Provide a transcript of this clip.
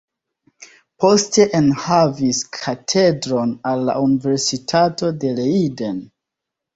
Poste enhavis katedron al la universitato de Leiden.